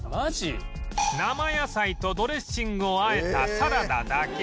生野菜とドレッシングをあえたサラダだけ